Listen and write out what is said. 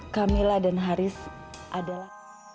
kamila dan haris adalah